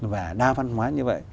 và đa văn hóa như vậy